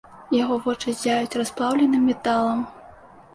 Яго вочы ззяюць расплаўленым металам.